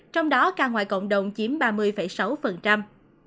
trong đó ca ngoài cộng đồng chiếm ba mươi sáu